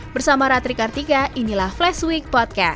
bersama ratri kartika inilah flashweek podcast